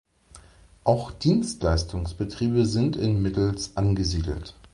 Auch Dienstleistungsbetriebe sind in Middels angesiedelt.